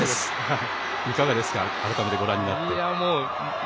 いかがですか改めてご覧になって。